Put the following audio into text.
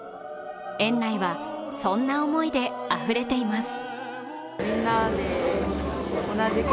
園内はそんな思いであふれています。